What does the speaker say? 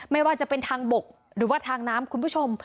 ไม่ว่าจะเป็นทางบกหรือว่าทางน้ำคุณผู้ชม